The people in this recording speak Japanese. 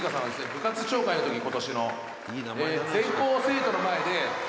部活紹介の時今年の」